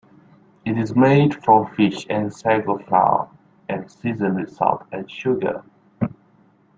It is made from fish and sago flour and seasoned with salt and sugar.